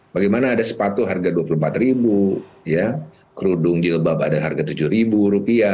bagaimana ada sepatu harga rp dua puluh empat kerudung jilbab ada harga rp tujuh